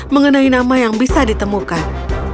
mengenai nama yang bisa ditemukan